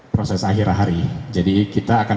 proses akhir hari jadi kita akan